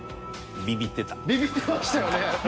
ビビッてましたよね。